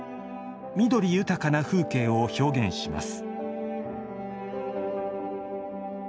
緑豊かな風景を表現します。